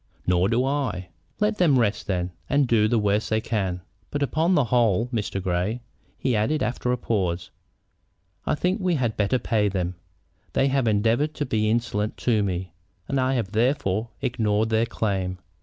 "Nor do I." "Let them rest, then, and do the worst they can. But upon the whole, Mr. Grey," he added, after a pause, "I think we had better pay them. They have endeavored to be insolent to me, and I have therefore ignored their claim.